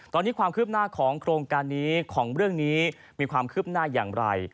ตอนนี้ความคืบหน้าของโครงการนี้ของเรื่องนี้มีความคืบหน้าอย่างไร